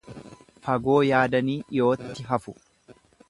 Fagoo yaadanii dhiyootti hafu.